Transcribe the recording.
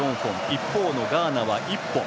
一方のガーナは１本。